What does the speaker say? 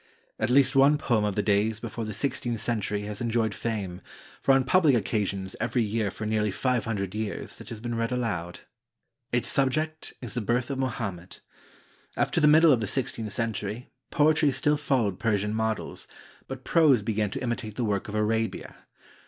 At least one poem of the days before the sixteenth cen tury has enjoyed fame, for on public occasions every year for nearly five hundred years it has been read aloud. Its subject is the birth of Mohammed. After the middle of the sixteenth century, poetry still followed Persian models, but prose be gan to imitate the work of Arabia.